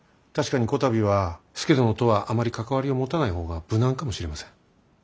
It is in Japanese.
確かにこたびは佐殿とはあまり関わりを持たない方が無難かもしれません。